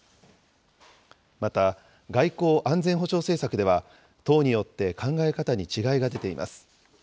また、外交・安全保障政策では、党によって考え方に違いが出ています。